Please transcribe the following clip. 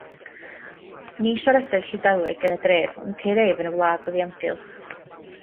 Ni siaredir Llydaweg yn y dref, ond ceir ef yn y wlad oddi amgylch.